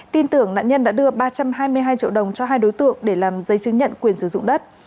tin tưởng nạn nhân đã đưa ba trăm hai mươi hai triệu đồng cho hai đối tượng để làm giấy chứng nhận quyền sử dụng đất